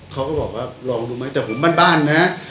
เขาก็บอกว่าลองดูไหมแต่ผมบ้านนะ